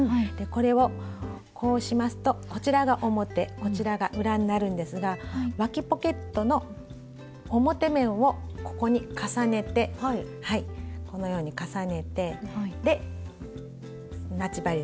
これをこうしますとこちらが表こちらが裏になるんですがわきポケットの表面をここに重ねてこのように重ねて待ち針で留めます。